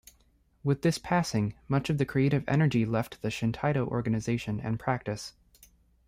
With this passing much of the creative energy left the Shintaido organisation and practice.